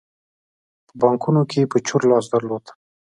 په بانکونو کې یې په چور لاس درلود.